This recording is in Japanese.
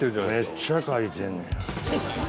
めっちゃ書いてんねや。